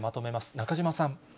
中島さん。